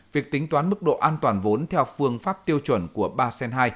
việc tính toán mức độ an toàn vốn theo phương pháp tiêu chuẩn của ba sen hai